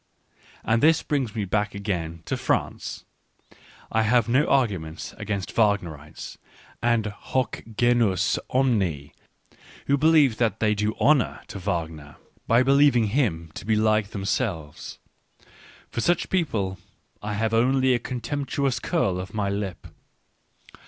And this brings me back again to France, — I have no arguments against Wagnerites, and hoc genus omne, who believe that they do honour to Wagner Digitized by Google 42 ECCE HOMO by believing him to be like themselves ; for such people I have only a contemptuous curl of my lip.